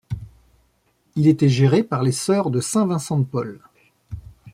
Il était géré par les Sœurs de Saint Vincent de Paul.